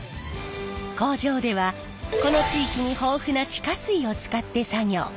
工場ではこの地域に豊富な地下水を使って作業。